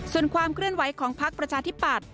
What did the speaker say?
ส่วนความเคลื่อนไหวของพักประชาธิปัตย